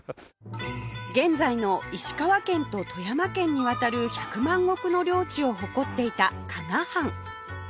現在の石川県と富山県にわたる百万石の領地を誇っていた加賀藩